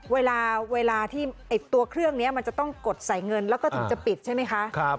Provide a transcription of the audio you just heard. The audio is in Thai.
เวลาที่ตัวเครื่องนี้มันจะต้องกดใส่เงินแล้วก็ถึงจะปิดใช่ไหมคะ